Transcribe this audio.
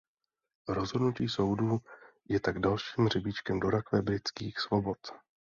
Rozhodnutí soudu je tak dalším hřebíčkem do rakve britských svobod.